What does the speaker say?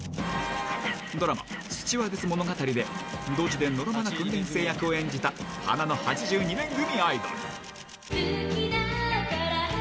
ドラマ、スチュワーデス物語で、ドジでのろまな訓練生役を演じた、花の８２年組アイドル。